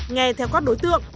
nghe theo các đối tượng